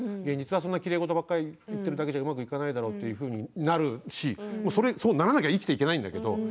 現実はそんなきれい事ばっかり言ってるだけじゃ上手くいかないだろうっていうふうになるしそうならなきゃ生きていけないんだけど。